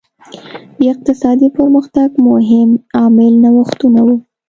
د اقتصادي پرمختګ مهم عامل نوښتونه وو.